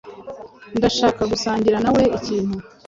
Ndashaka gusangira nawe ikintu.